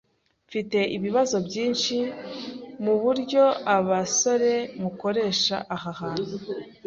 Mfite ibibazo byinshi muburyo abasore mukoresha aha hantu.